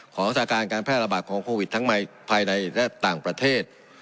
สถานการณ์การแพร่ระบาดของโควิดทั้งในภายในและต่างประเทศ